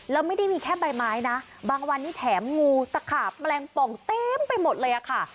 แล้วไม่ได้มีแค่ใบไม้นะบางวันนี้แถมงูตะขาบแมลงป่องเต็มไปหมดเลยอะค่ะ